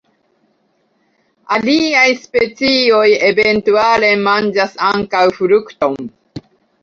Aliaj specioj eventuale manĝas ankaŭ frukton.